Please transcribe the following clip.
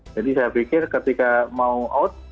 jadi saya pikir ketika mau out